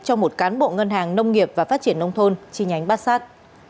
cho một cán bộ ngân hàng nông nghiệp và phát triển nông thôn chi nhánh bát sát